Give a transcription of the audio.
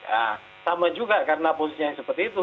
nah sama juga karena posisinya seperti itu